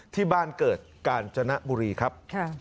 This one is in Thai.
ที่บ้านเกิดกาญจนบุรีครับ